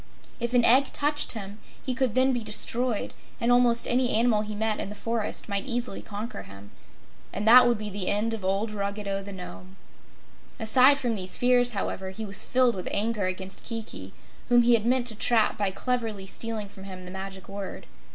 If an egg touched him he could then be destroyed, and almost any animal he met in the forest might easily conquer him. And that would be the end of old Ruggedo the Nome. Aside from these fears, however, he was filled with anger against Kiki, whom he had meant to trap by cleverly stealing from him the Magic Word.